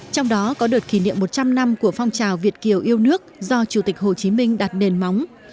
trong đó có đợt kỷ niệm một trăm linh năm của phong trào việt kiều yêu nước do chủ tịch hồ chí minh đặt nền móng